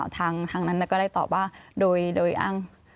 ทางนั้นก็ได้ตอบว่าโดยอ้าง